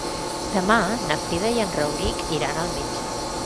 Demà na Frida i en Rauric iran al metge.